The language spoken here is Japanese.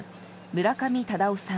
村上忠雄さん